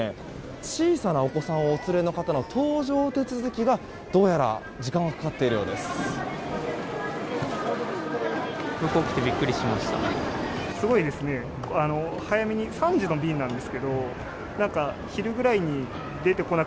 小さなお子さんをお連れの方の搭乗手続きがどうやら、時間がかかっているようです。